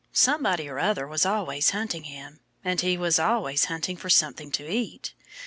Somebody or other was always hunting him. And he was always hunting for something to eat.